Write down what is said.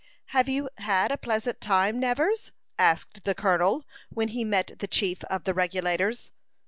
"Have you had a pleasant time, Nevers?" asked the colonel, when he met the chief of the Regulators.